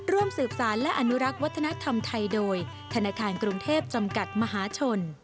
ร่วมสืบสารและอนุรักษ์วัฒนธรรมไทยโดยธนาคารกรุงเทพจำกัดมหาชน